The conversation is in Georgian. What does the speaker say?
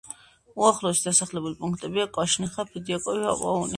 უახლოესი დასახლებული პუნქტებია: კვაშნიხა, ფედიაკოვო, პაუნიხა.